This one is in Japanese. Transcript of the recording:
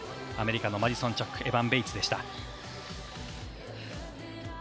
アメリカのマディソン・チョークエバン・ベイツでした。